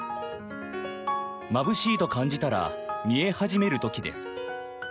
まぶしいと感じたら見え始める時です。